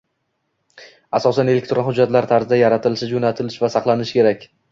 asosan elektron hujjatlar tarzida yaratilishi, jo‘natilishi va saqlanishi kerak.